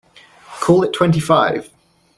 Call it twenty-five.